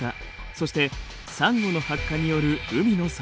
そしてサンゴの白化による海の砂漠化。